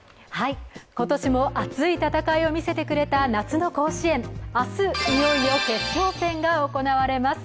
今年も熱い戦いを見せてくれた夏の甲子園、明日、いよいよ決勝戦が行われます。